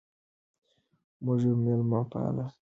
موږ یو مېلمه پال ملت یو.